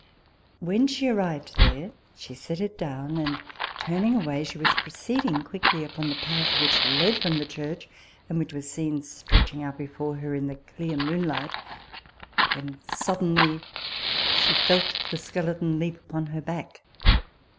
When she arrived there, she set it down ; and turning away, she was pro ceeding quickly along the path which led from the church, and which was seen stretching out before her in the clear moonlight, when suddenly she felt the skeleton leap upon her back.